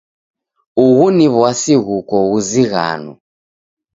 Ughu ni w'asi ghukoo ghuzighano.